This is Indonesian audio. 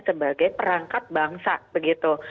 sebagai perangkat bangsa begitu